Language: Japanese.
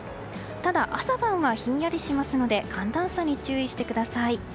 ただ、朝晩はひんやりしますので寒暖差に注意してください。